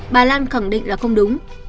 bà lan khẳng định là không đúng